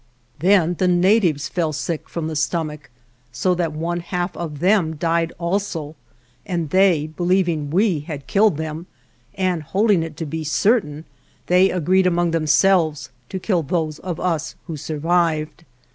Then the natives fell sick from the stom ach, so that one half of them died also, and they, believing we had killed them, and hold ing it to be certain, they agreed among them selves to kill those of us who survived.